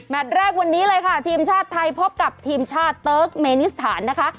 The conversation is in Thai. แรกวันนี้เลยค่ะทีมชาติไทยพบกับทีมชาติเติร์กเมนิสถานนะคะ